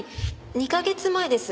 ２カ月前です。